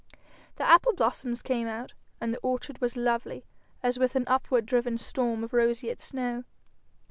The apple blossoms came out, and the orchard was lovely as with an upward driven storm of roseate snow.